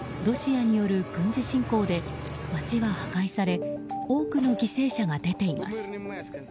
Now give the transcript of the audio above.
ロシアによる軍事侵攻で街は破壊され多くの犠牲者が出ています。